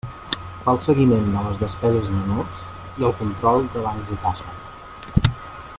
Fa el seguiment de les despeses menors i el control de bancs i caixa.